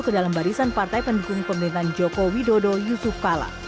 ke dalam barisan partai pendukung pemerintahan joko widodo yusuf kala